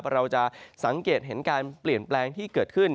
เราจะสังเกตเห็นการเปลี่ยนแปลงที่เกิดขึ้น